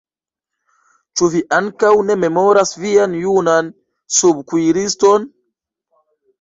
Ĉu vi ankaŭ ne memoras vian junan subkuiriston?